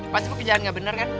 pasti pekerjaan tidak benar kan